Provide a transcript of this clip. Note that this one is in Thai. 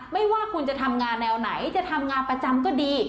ไม่ว่าคุณจะทำงานแนวไหนจะทำงานประจำก็ดี